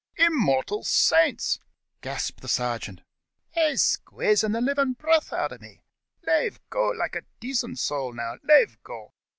"Immortial Saints!" gasped the sergeant, "he's squazin, the livin' breath out uv me. Lave go now loike a dacent sowl, lave go.